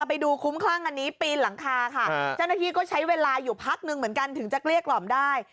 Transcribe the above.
ไปดูคุ้มคลั่งอันนี้ปีนหลังคาค่ะเจ้าหน้าที่ก็ใช้เวลาอยู่พักนึงเหมือนกันถึงจะเกลี้ยกล่อมได้